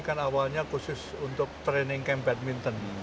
kan awalnya khusus untuk training camp badminton